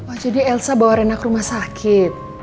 oh jadi elsa bawa rena ke rumah sakit